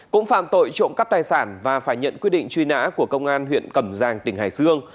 cũng phạm tội trộm cắp tài sản và phải nhận quyết định truy nã của công an huyện cẩm giang tỉnh hải dương